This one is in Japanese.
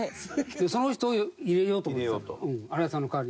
その人を入れようと思ってたの荒井さんの代わりに。